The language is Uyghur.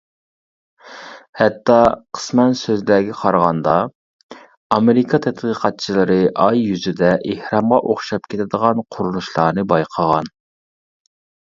ھەتتا، قىسمەن سۆزلەرگە قارىغاندا، ئامېرىكا تەتقىقاتچىلىرى ئاي يۈزىدە ئېھرامغا ئوخشاپ كېتىدىغان قۇرۇلۇشلارنى بايقىغان.